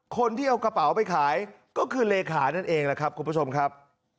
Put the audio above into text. คนที่เอากระเป๋าไปขายก็คือเลขานั่นเองแหละครับคุณผู้ชมครับ